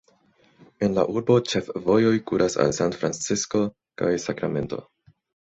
El la urbo ĉefvojoj kuras al San Francisco kaj Sakramento.